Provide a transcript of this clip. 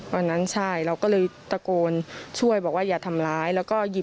วันนั้นเราก็เลยตะโกนช่วยบอกว่าอย่าทำร้าย